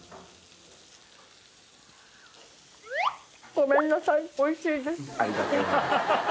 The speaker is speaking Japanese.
ごめんなさいおいしいです。